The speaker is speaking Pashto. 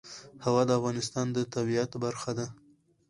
هوا د افغانستان د طبیعت برخه ده.